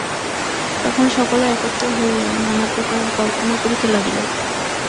তখন সকলে একত্র হইয়া নানাপ্রকার কল্পনা করিতে লাগিল।